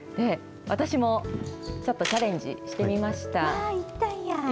私も、ちょっとチャレンジしてみ行ったんや。